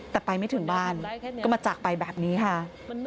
แต่ไปไม่ถึงบ้านก็มาจากไปแบบนี้ค่ะ